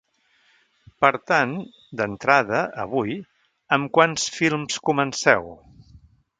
Per tant, d’entrada, avui, amb quants films comenceu?